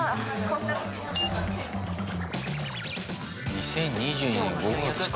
２０２２年５月か。